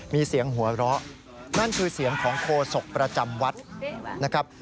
มีเสียงหัวเราะนั่นคือเสียงของโคศกประจำวัดนะครับ